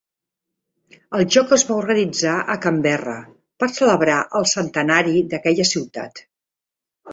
El joc es va organitzar a Canberra per celebrar el centenari d"aquella ciutat.